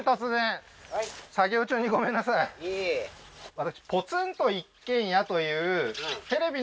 私